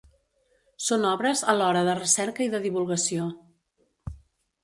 Són obres alhora de recerca i de divulgació.